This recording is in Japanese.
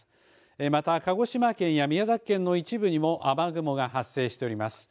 また鹿児島県や宮崎県の一部にも雨雲が発生しております。